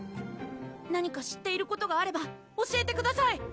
何か知っていることがあれば教えてください！